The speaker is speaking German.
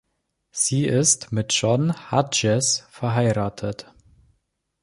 Sie ist mit John Hughes verheiratet.